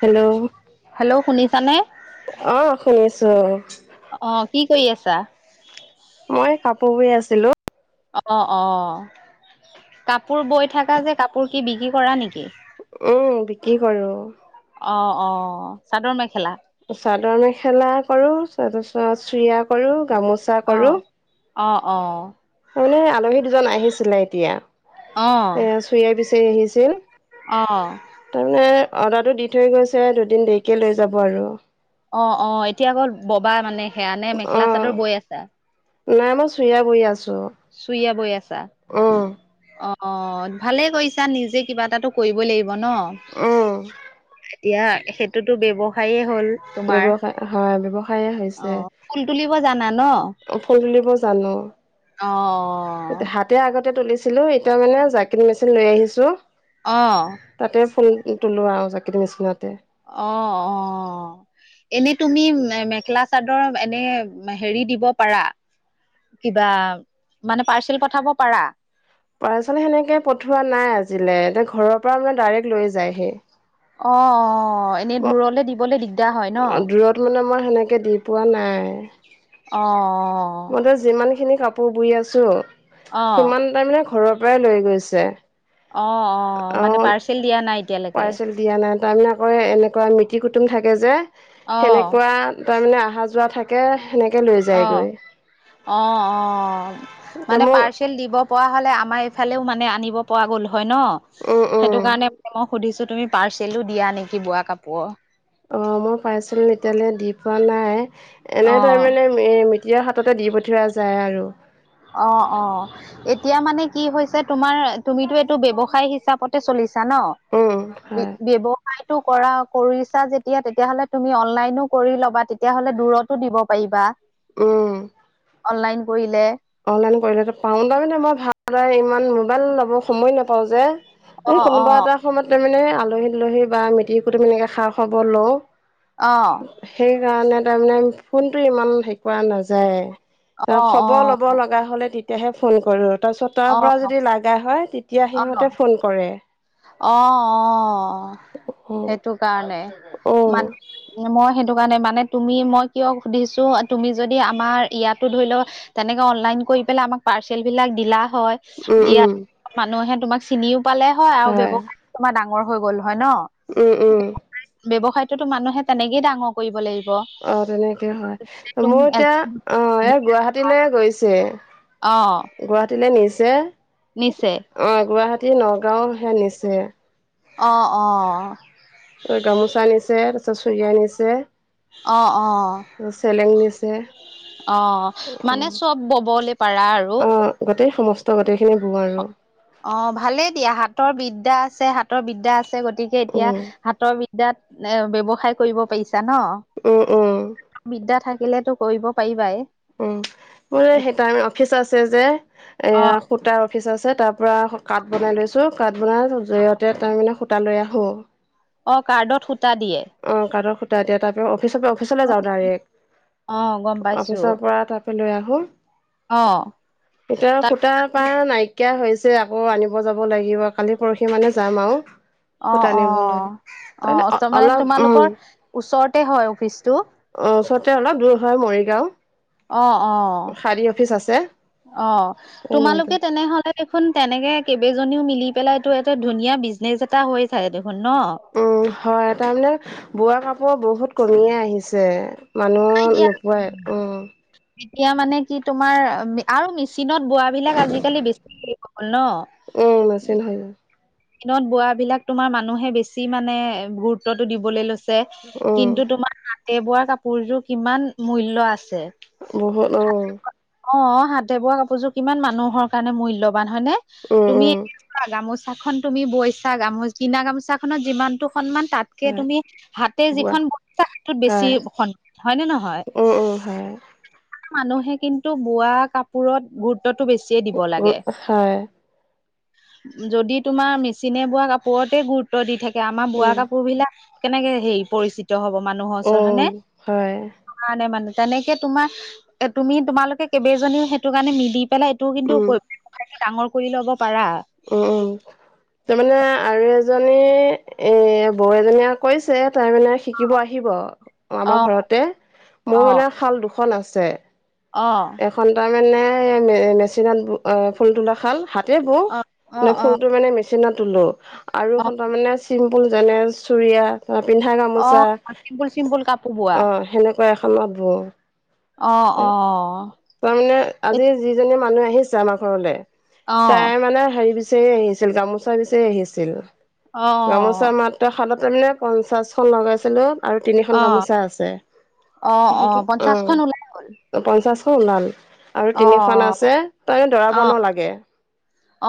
Hello. Hello, শুনিছানে। অ', শুনিছো অ'। অ', কি কৰি আছা। মই কাপোৰ বৈ আছিলো। অ', অ', কাপোৰ বৈ থাকা যে, কাপোৰ কি বিক্ৰী কৰা নেকি। উম, বিক্ৰী কৰোঁ। অ', অ', চাদৰ মেখেলা। চাদৰ মেখেলা কৰো, তাৰ পিছত চুৰিয়া কৰো, গামোচ অ', অ', অ'। [unintelligible] আলহী দুজন আহিছিলে এতিয়া, অ এ চুৰিয়া বিচাৰি আহিছিল। অ'। তাৰমানে অৰ্ডাৰটো দি থৈ গৈছে, দুদিন দেৰিকে লৈ যাব আৰু। অ', অ', এতিয়া অকল ব'বা মানে সেয়া নে মেখেলা অ চাদৰ বৈ আছা। নাই মই চুৰিয়া বৈ আছোঁ। চুৰিয়া বৈ আছা, অ', ভালে কৰিছা, নিজে কিবা এটাটো কৰিব লাগিব ন, উম এতিয়া সেইটোতো ব্যৱসায়ে হ'ল। তোমাৰ, ব্যৱসায় হয় ব্যৱসায়ে হৈছে অ', ফুল তুলিব জানা ন। ফুল তুলিব জানো। অ'। হাতেৰে আগতে তুলিছিলো, এতিয়া মানে [unintelligible] মেচিন লৈ আহিছো। অ'। তাতে ফুল তোলো আও, [unintelligible] মেচিনতে। অ', অ'। এনে তুমি মে মেখেলা চাদৰ এনে হেৰি দিব পাৰা। কিবা মানে পাৰ্চেল পঠাব পাৰা। পাৰ্চেল সেনেকে পঠোৱা নাই আজিলে, এতিয়া ঘৰৰ পৰা মানে ডাইৰেক্ট লৈ যায়হি। অ', অ', এনে দূৰলে দিবলে দিগদাৰ হয় ন। দূৰলে মই সেনেকে দি পোৱা নাই। অ', অ'। মই তোমাৰ যিমান খিনি কাপোৰ বৈ আছো, অ', সিমান তাৰমানে ঘৰৰ পৰাই লৈ গৈছে। অ', অ', আৰু মানে পাৰ্চেল দিয়া নাই এতিয়ালেকে। পাৰ্চেল দিয়া নাই, তাৰমানে আকৌ এনেকুৱা মিতিৰ কুটুম থাকে যে, অ', সেনেকুৱা তাৰমানে আহা যোৱা থাকে, সেনেকে লৈ অ', যায়গৈ। অ', অ', এতিয়া মানে মোক পাৰ্চ চেল দিব পৰা হ'লে আমাৰ এইফালেও মানে আনিব পৰা গ'ল হয় ন, উম সেইটো উম কাৰণে মই সুধিছো তুমি পাৰ্চেলো দিয়া নেকি বোৱা কাপোৰৰ। অ', মই পাৰ্চেল এতিয়ালে দি পোৱা নাই। এনে তাৰ অ'। মানে এ মিটিৰৰ হাততে দি পঠিওৱা যায় আৰু। অ', অ'। এতিয়া মানে কি হৈছে তোমাৰ তুমিতো এইটো ব্যৱসায় হিচাপতে চলিছা ন। উম। হয়, বি ব্যৱ সায়টো কৰা কৰিছা যেতিয়া, তেতিয়াহ'লে তুমি অনলাইনো কৰি ল'বা তেতিয়াহ'লে দুৰত টো দিব পাৰিবা। উম। অনলাইন কৰিলে। অনলাইন কৰিলেটো পাম, তাৰমানে মই ভালদৰে ইমান মোবাইল ল'ব সময় নাপাওঁ যে। অ এ অ কোনোবা এটা সময়ত তাৰ মানে আলহী দুলহি বা মিটিৰ কুটুম এনেকে খা খবৰ লওঁ। অ'। সেই কাৰণে তাৰমানে ফোনটো ইমান হেৰি নাযায়, অ আৰু খবৰ ল' ল'ব লগা হ'লে তেতিয়াহে ফোন কৰো, তাৰপিছত তাৰ অ পৰা যদি লাগা হয়, তেতিয়া সিহঁতে ফোন কৰে। অ', অ', অ', অ', সেইটো কাৰণে, অ', মান মই সেইটো কাৰণে মানে তুমি মই কিয় সুধিছো, তুমি যদি আমাৰ ইয়াতো ধৰি লওঁ তেনেকে অনলাইন কৰি পেলাই আমাক পাৰ্চেল বিলাক দিলা হয়। উম, উম। ইয়াত মানুহে তোমাক চিনিও পালে হয় আৰু ব্যৱসায় তোমাৰ ডাঙৰ হৈ গ'ল হয় ন। উম, উম। ব্যৱসায়টোতো মানুহে তেনেকেই ডাঙৰ কৰিব লাগিব। অ', তেনেকে হয়, মোৰ এতিয়া অ', এয়া গুৱাহাটীলৈয়ে গৈছে। অ'। গুৱাহাটীলে নিছে। নিছে। অ', গুৱাহাটী, নগাঁওহে নিছে। অ', অ'। তোৰ গামোচা আনিছে, তাৰপিছত চুৰিয়া আনিছে। অ', অ'। [unintelligible] চেলেং নিছে। অ', উম মানে চব ব'বলে পাৰা আৰু। অ গোটেই সমস্ত গোটেইখিনি বওঁ আৰু। অ', ভালেই দিয়া, হাতৰ বিদ্যা আছে- হাতৰ বিদ্যা আছে, গতিকে এতিয়া উম হাতৰ বিদ [unintelligible] এ ব্যৱসায় কৰিব পাৰিছা ন। উম, উম। বিদ্যা থাকিলেটো কৰিব পাৰিবাই। উম, মোৰ সেই তাৰ অফিচ আছে যে, অ এয়া সূতাৰ অফিচ আছে তাত পূৰা কাঠ বনাই লৈছোঁ, কাঠ বনাও জৰিয়তে তাৰমানে সূতা লৈ আহোঁ। অ', কাৰ্ডত সূতা দিয়ে। অ', কাৰ্ডত সূতা দিয়ে, তাৰ পৰা অফিচৰ পৰা অফিচলে যাওঁ অ গম ডাইৰেক্ট, পাইছো অফিচৰ পৰা লৈ আহো, অ এতিয়া তাত সূতা পাৰা নাই কিয়া হৈছে আকৌ আনিব যাব লাগিব, কালি পৰসি মানে যাম আও। অ', অ', অ', ত' মানে অলপ উম তোমালোকৰ ওচৰতে হয় অফিচটো। অ', ওচৰতে অলপ দূৰ হয় মৰিগাঁও। অ', অ', শাৰী অফিচ আছে অ', এই মৰিগাঁও তোমালোকে তেনেহ'লে দেখোন তেনেকে কেইবেজনীও মিলি পেলাইটো এটা ধুনীয়া বিজনেচ এটা হৈ যায় দেখোন ন। উম, হয় তাৰমানে বোৱা কাপোৰৰ বহুত কমিয়ে আহিছে। নাই দিয়া মানুহ নোপোৱাই, উম। এতিয়া মানে কি তোমাৰ আৰু মেচিনত বোৱাবিলাক আজিকালি বেছি [unintelligible] হ'ল ন। উম, [unintelligible] [unintelligible] নত বোৱাবিলাক তোমাৰ মানুহে বেছি মানে গুৰুত্বটো দিবলে লৈছ ছে, উম কিন্তু তোমাৰ হাতে বোৱা কাপোৰযোৰ কিমান মূল্য আছে। বহুত অ'। অ', হাতে বোৱা কাপোৰযোৰ কিমান মানুহৰ কাৰণে মূল্যবান হয় নে, উম তুমি উম [unintelligible] গামুচ চাখন তুমি বৈছা, গামোচ কিনা গামোচাখনত যিমানটো সন্মান তাত কে হয় তুমি হাতে বোৱা যিখন [unintelligible] সেইটোত বেছি হয় [unintelligible] হয় নে নহয়। উম, উম, হয়। [unintelligible] মানুহে কিন্তু বোৱা কাপোৰত গু ত্বটো বেছিয়ে দিব উম, লাগে, হয়। যদি তোমাৰ মেচিনে বোৱা কাপোৰতে গুৰুত্ব দি থাকে, আমাৰ বোৱা উম। কাপোৰবিলাক কেনেকে হেৰি পৰিচি ত হ'ব মানুহৰ ওচৰত, হয় উম, নে। হয়। কাৰণে মানে, তেনেকে তোমাৰ এ তুমি তোমালোকে কেবেজনীও সেইটো কাৰণে মিলি পেলাই এইটোও কিন্তু উম। কৰি ডাঙৰ কৰি ল'ব পাৰা। উম, উম। তাৰমানে আৰু এজনী এ বৌ এজনীয়ে কৰিছে, তাই মানে শিকিব আহিব অ', অ আমাৰ ঘৰতে, মোৰ অ মানে শাল দুখন আছে। অ'। [unintelligible] মে মেচিনত ব অ', ফুল তোলা শাল, হাতেৰে বওঁ, অ নে অ ফুলটো মানে মেচিনত তোলো। আৰু অ এখন তাৰ মানে চিম্পুল যেনে চুৰিয়া অ', পিন্ধা অ গামোচা, অ চিম্পুল চিম্পুল কাপোৰ বোৱা অ', সেনেকুৱা এখনত বওঁ। অ', অ'। তাৰমানে আজি যিজনী মানুহ আহিছে আমাৰ ঘৰলে, অ তাই অ মানে হেৰি বিচ চাৰি আহিছিল, গামোচা বিচাৰি আহিছিল, গামোচা মাত ত শালত তাৰমানে পঞ্চাছখন লগাইছিলোঁ। আৰু তিনিখন অ গামোচা আছে, অ অ [unintelligible] অ'। পঞ্চাশখন ওলাই গ'ল পঞ্চাছখন ওলাল আৰু অ তিনিখন আছে, [unintelligible] অ অ দৰাব নালাগে।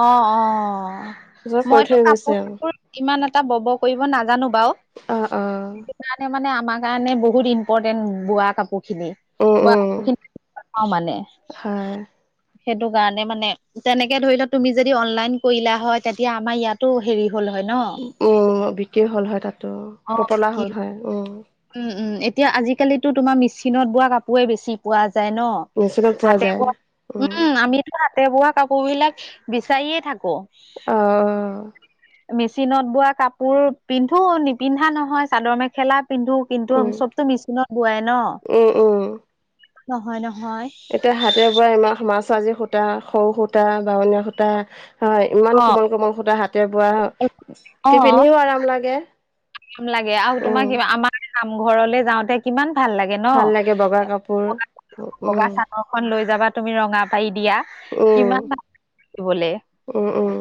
অ', অ'। তাৰপিছত কৈ মইতো থৈ গৈছে কাপোৰ আৰু। চাপোৰ ইমান এটা বব কৰিব নাজানো বাও। অ', অ', সেইটো কাৰণে মানে আমাৰ কাৰণে বহুত ইম্পৰ্টেণ্ট বোৱা কাপোৰখিনি। উম, উম, [unintelligible] মানে। হয়। সেইটো কাৰণে মানে তেনেকে ধৰি ল, তুমি যদি অনলাইন কৰিলা হয় তেতিয়া আমাৰ ইয়াতো হেৰি হ'ল হয় ন। উম, বিক্ৰী হ'ল হয় তাতো, অ পপোলাৰ কি হ'ল হয়, উম। উম, উম, এতিয়া আজিকালিতো তোমাৰ মেচিনত বোৱা কাপোৰে বেছি পোৱা যায় ন। মেচিনত পোৱা হাতে যায় বোৱা উম, আমিতো হাতেৰে বোৱা কাপোৰবিলাক বিচাৰিয়ে থাকো। অ'। মেচিনত বোৱা কাপোৰ পিন্ধো নিপিন্ধা নহয়, চাদৰ মেখেলা পিন্ধো। কিন্তু উম, চবতো মিচিনত বোৱাই উম, উম। ন, নহয়-নহয়। এতিয়া হাতেৰে বোৱা ইমান সোমাইছোঁ, আজি সূতা, সৰু সূতা, বাৱনীয়া সূতা হয়, ইমান অ কোমল- কোমল সূতা হাতেৰে বোৱা, অ কি পিন্ধিও আৰাম লাগে। [unintelligible] লাগে আৰু তোমাৰ উম কিমা আমাৰ নাম ঘৰলে যাওঁতে কিমান ভাল লাগ ভাল লাগে বগা কাপোৰ। বগা উম চাদৰখন লৈ যাবা তুমি ৰঙা পাৰি দিয়া, উম কিমান [unintelligible] উম, উম।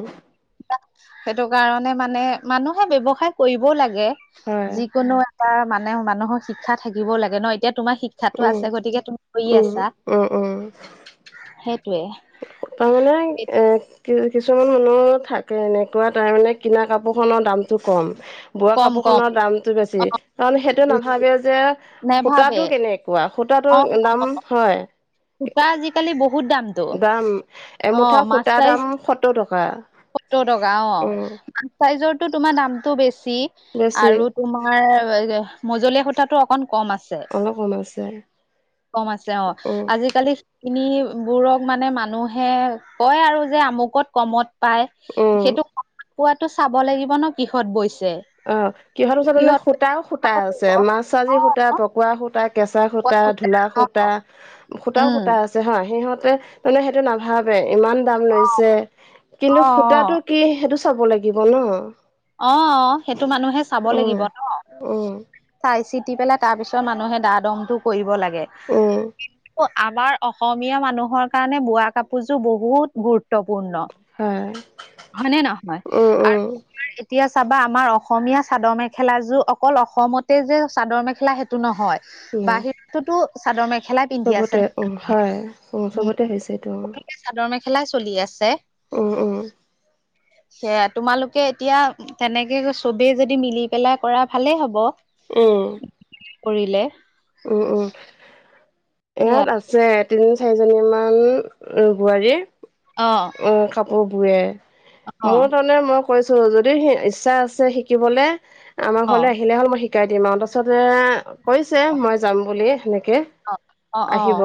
সেইটো কাৰণে মানে মানুহে ব্যৱসায় কৰিবও লাগে, হয় যিকোনো তাৰ মানে মানুহৰ শিক্ষা থাকিবও লাগে ন, এতিয়া তোমাৰ শি ইচ্ছাতো উম আছে গতিকে তুমি কৰি উম আছা, উম উম সেইটোৱে। ত' মানে এ কি কিছুমান মানুহ থাকে এনেকুৱা, তাৰমানে কিনা কাপোৰখনৰ দামটো কম। বোৱা কম কম কাপোৰখনৰ দামটো বেছি, কাৰণ সেইটো নাভাবে যে নেভাবে সূতাটো কেনে কোৱা, অ সূতাটোৰ দাম, হয়। সূতা আজিকালি বহুত দাম। দাম, এমুঠা সূতাৰ দাম সত্তৰ টকা। সত্তৰ টকা অ', উম [unintelligible] চাইজৰটো তোমাৰ দামটো বেছি বেছি আৰু তোমাৰ মজলিয়া সূতাটো অকন কম আছ অলপ কমাইছে কম আছে অ', উম আজিকালি [unintelligible] বোৰক মানে মানুহে কয় আৰু যে আমুকত কমত পাই, উম সেইটো [unintelligible] কোৱাটো চাব লাগিব ন কিহত বৈছে। অ', কিহৰ [unintelligible] মানে কিহত বৈছে সূতাও, সূতা চাব আছে, লাগিব অ' [unintelligible] চাজি সূতা, পকোৱা সূতা কেঁচা পকোৱা সূতা, ঢোলা অ' সূত তা, সুতাও উম সুতা আছে হয়, সিহঁতে মানে সেইটো নাভাবে ইমান দাম লৈছ ছে, অ' কিন্তু সূতাটো অ' কি সেইটো চাব লাগিব ন। অ', অ', সেইটো মানুহে চাব লাগিব উম ন। উম চাই-চিতি পেলাই তাৰ পিছত মানুহে দা- দমটো কৰিব লাগে। উম আমাৰ অসমীয়া মানুহৰ কাৰণে বোৱা কাপোৰযোৰ বহুত গুৰুত্বপূৰ্ণ। হয়। হয় নে নহয়, উম আৰ উম এতিয়া চাবা আমাৰ অসমীয়া চাদৰ মেখেলাযোৰ অকল অসমতে যে চাদৰ মেখেলা সেই সেটো নহয়, উম বাহিৰতটোতো চাদৰ মেখেলাই পিন্ধি চবতে আছে উম হয় উম চবতে হৈছে এইটো উম [unintelligible] চাদৰ মেখেলাই চলি আছে। উম, উম। সেয়া তোমালোক কে এতিয়া তেনেকে চবেই যদি মিলি পেলাই কৰা, ভালেই হ'ব। উম। [unintelligible] কৰিলে। উম, উম, সেয়া ইয়াত আছ আছে, তিনি, চাৰিজনীমান বোৱাৰী। অ'। অ', কাপোৰ বোৱে, মোৰ অ', তনে মই কৈছোঁ, যদি ইচ্ছা আছে শিকিবলে, আমাৰ অ', ঘৰলে আহিলে হ'ল মই শি শিকাই দিম আৰু তাৰপাছতে কৈছে মই যাম বুলি সেনেকে। অ', অ'।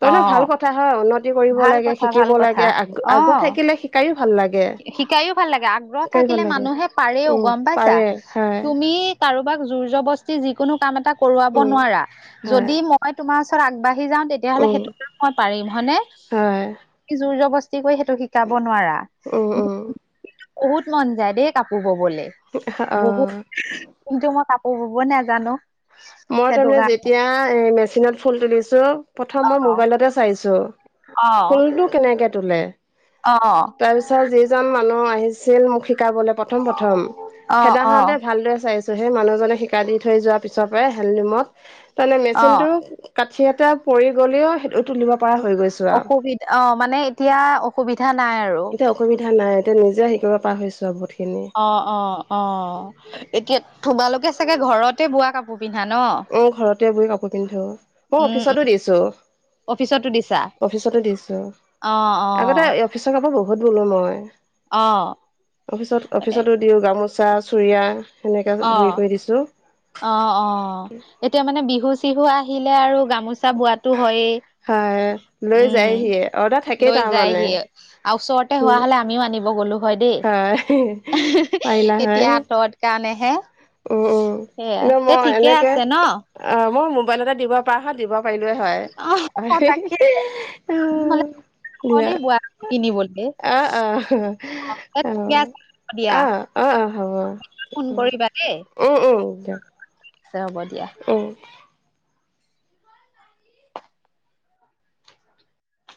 [unintelligible] ন ভাল অ', কথা হয়, উন্নতি কৰিব ভাল লাগে, কথা, শিকিব ভাল কথা লাগে আ আগ্ৰহ অ'। থাকিলে শি শিকাইও ভাল লাগে, আগ্ৰহ শিকায়ো থাকিলে ভাল লাগে মানুহে পাৰেও উম, গম পাইছা, পাৰে হয় তুমি কাৰোবাক জুৰ-জবস্তি যিকোনো কাম এটা কৰোৱাব উম, নোৱাৰা। হয়। যদি মই তোমাৰ ওচৰত আগবাঢ়ি যাওঁ, তেতিয়াহ'লে উম, সেইটোকে মই পাৰিম, হয়নে। হয় [unintelligible] জুৰ-জবস্তি কৰি সেইটো শিকাব নোৱাৰা। উম, উম। কিন্তু বহুত মন যায় দেই কাপোৰ ববলে, অ'। বহুত কিন্তু মই কাপোৰ ব'ব নাজানো। মই সেইটো তাৰমানে কাৰণে যেতিয়া এই মেচিনত ফুল তুলিছোঁ, প্ৰথম মই অ মোবাইলতে চাইছোঁ। ফুলটো কেনেকে তোলে। অ', অ'। তাৰপিছত যিজন মানুহ আহিছিল মোক শিকাবলে প্ৰ প্ৰথম- প্ৰথম, অ [unintelligible] অ ভালদৰে চাইছ সেই মানুহজনে শিকাই দি থৈ যোৱা পিছৰ পৰাই হেণ্ডলোমত তাৰমানে অ মেচিনটো কাঠি এটা পৰি গ'লেও সেইটো তুলিব পৰা হৈ গৈছো আৰু। সুবি অ', মানে এতিয়া অসুবিধা নাই আৰু। এতিয়া অসুবিধা নাই, এতিয়া নিজে শিকিব পাৰা হৈছো আৰু বহুতখিনি। অ', অ', অ', এতিয়া তোমালোকে চাগে ঘৰতে বোৱা কাপোৰ পিন্ধা ন। উম, ঘৰতে বৈ কাপোৰ পিন্ধো, মই উম উম অফিচতো দিছো। অফিচতো দিছা অফিচটো দিছো, অ অ আগতে এ অফিচৰ কাপোৰ বহুত ব'লো মই, অ অফিচত এ অফিচতো [unintelligible] গামোচা, চুৰিয়া সেনেকে অ [unintelligible] কৰি দিছোঁ। অ', অ', এতিয়া মানে বিহু-চিহু আহিলে আৰু গামোচা বোৱাটো হয়েই। হয় লৈ উম, যায়হিয়ে অৰ্ডাৰ থাকেই লৈ যায় তাৰমানে হি আৰু ওচৰতে হোৱা হ'লে‌ আমিও আনিব গলোঁ হয় দেই, পাৰিলা এতিয়া আঁতৰত কাৰণেহে। উম-উম। সেয়া ন তে মই ঠিকে এনেকে, আছে ন অ', মই মোবাইল এটা দিব পাৰ হত দিব পাৰিলোঁয়ে হয়। অ অ দিয়া তহঁতি বোৱা কিনিবলৈ অ অ আ [inaudible] অ হ'ব দিয়া, অ অ ফোন কৰিবা দেই। উম-উম দিয়ক। আছে হ'ব দিয়া। উম।